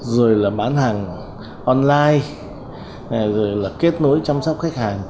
rồi là bán hàng online rồi là kết nối chăm sóc khách hàng